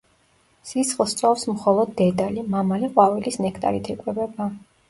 სისხლს წოვს მხოლოდ დედალი, მამალი ყვავილის ნექტარით იკვებება.